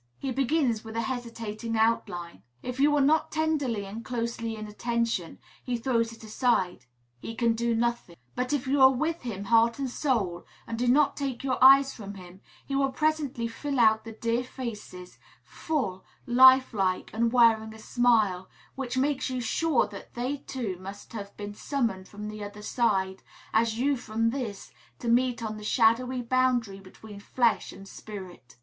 He begins with a hesitating outline. If you are not tenderly and closely in attention, he throws it aside; he can do nothing. But if you are with him, heart and soul, and do not take your eyes from his, he will presently fill out the dear faces, full, life like, and wearing a smile, which makes you sure that they too must have been summoned from the other side, as you from this, to meet on the shadowy boundary between flesh and spirit.